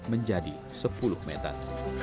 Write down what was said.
menjadi sepuluh meter